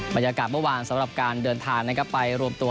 บรรยากาศเมื่อวานสำหรับการเดินทางนะครับไปรวมตัว